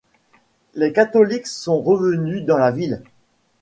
Les catholiques sont revenus dans la ville.